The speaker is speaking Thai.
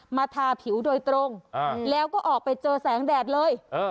ทาผิวโดยตรงแล้วก็ออกไปเจอแสงแดดเลย